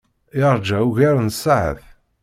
Yeṛja ugar n tsaɛet.